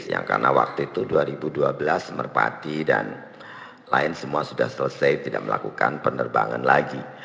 yang karena waktu itu dua ribu dua belas merpati dan lain semua sudah selesai tidak melakukan penerbangan lagi